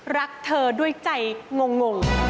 รักเธอด้วยใจงง